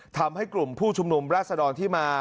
ทำให้กลุ่มผู้ชุมนุมราชดรที่มา